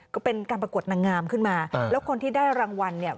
ก็เป็นการประกวดนางงามขึ้นมาแล้วคนที่ได้รางวัลเนี่ย